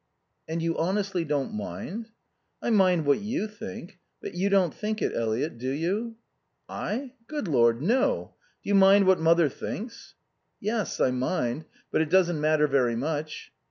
"And you honestly don't mind?" "I mind what you think. But you don't think it, Eliot, do you?" "I? Good Lord no! Do you mind what mother thinks?" "Yes, I mind. But it doesn't matter very much."